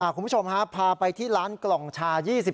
คุณผู้ชมพาไปที่ร้านกล่องชา๒๕